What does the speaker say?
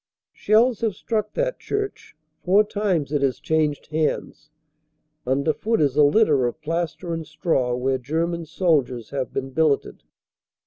Shells have struck that church; four times it has changed hands. Under foot is a litter of plaster and straw where Ger man soldiers have been billeted.